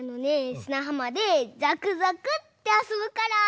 すなはまでざくざくってあそぶから。